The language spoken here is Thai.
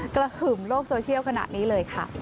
กระหึ่มโลกโซเชียลขนาดนี้เลยค่ะ